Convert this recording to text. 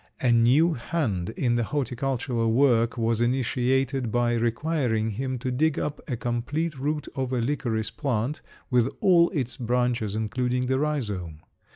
A new hand in the horticultural work was initiated by requiring him to dig up a complete root of a licorice plant with all its branches including the rhizome.